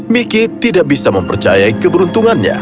miki tidak bisa mempercayai keberuntungannya